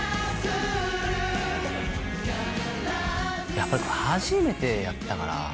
やっぱり初めてやったから。